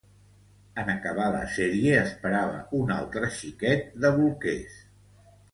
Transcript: En acabar la sèrie, esperava un altre xiquet de bolquers.